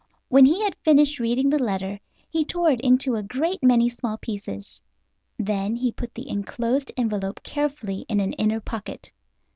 When he had finished reading the letter he tore it into a great many small pieces. Then he put the enclosed envelope carefully in an inner pocket.